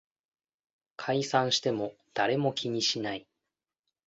解散しても誰も気にしない